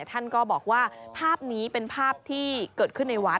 ท่านก็บอกว่าภาพนี้เป็นภาพที่เกิดขึ้นในวัด